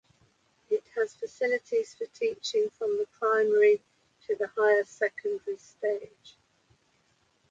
It has facilities for teaching from the primary to the higher secondary stage.